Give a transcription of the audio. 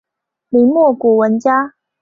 明末古文家。